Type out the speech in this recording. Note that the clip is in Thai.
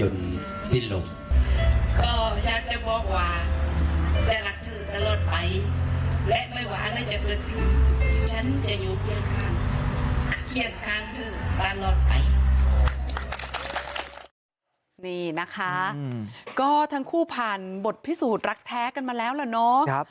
นี่นะคะก็ทั้งคู่ผ่านบทพิสูจน์รักแท้กันมาแล้วล่ะเนาะ